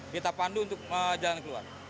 kita pandu untuk jalan keluar